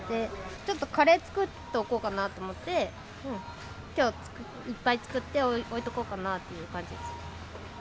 ちょっとカレー作っておこうかなと思って、きょういっぱい作って置いとこうかなという感じです。